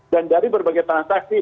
dan dari berbagai transaksi